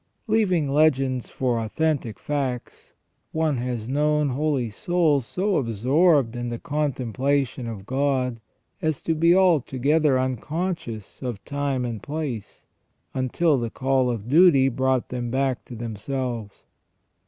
Leaving legends for authentic facts, one has known holy souls so absorbed in the contemplation of God as to be altogether unconscious of time and place, until the call of duty brought them back to themselves.